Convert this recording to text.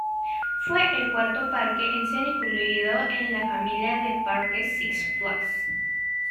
Fue el cuarto parque en ser incluido en la familia de parques Six Flags.